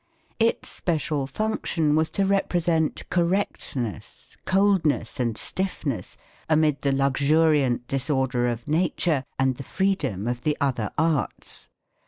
Its special function was to represent correctness, coldness, and stiffness amid the luxuriant disorder of nature and the freedom of the other arts.